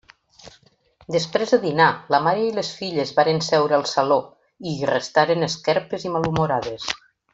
Després de dinar, la mare i les filles varen seure al saló, i hi restaren esquerpes i malhumorades.